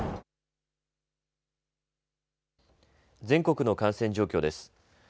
全国の感染状況です。